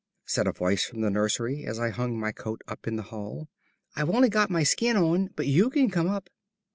said a voice from the nursery, as I hung my coat up in the hall. "I've only got my skin on, but you can come up."